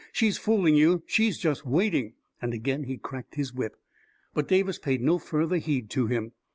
"She's fooling you ! She's just waiting ..." And again he cracked his whip. But Davis paid no further heed to him.